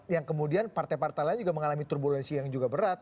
yang kemudian partai partai lain juga mengalami turbulensi yang juga berat